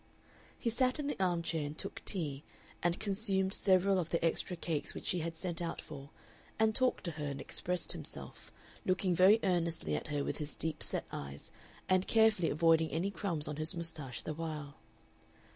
He sat in the arm chair and took tea, and consumed several of the extra cakes which she had sent out for and talked to her and expressed himself, looking very earnestly at her with his deep set eyes, and carefully avoiding any crumbs on his mustache the while.